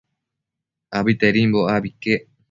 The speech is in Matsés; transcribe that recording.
Abitedimbo abi iquec